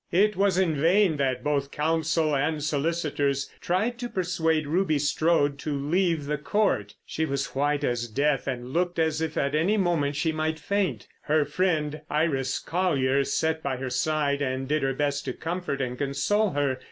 It was in vain that both counsel and solicitors tried to persuade Ruby Strode to leave the Court. She was as white as death and looked as if at any moment she might faint. Her friend Iris Colyer sat by her side and did her best to comfort and console her.